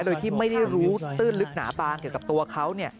โดยที่ไม่ได้รู้ตื้นลึกหนาบางเกี่ยวกับตัวเขา